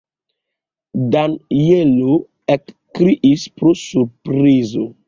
Danjelo ekkriis pro surprizo.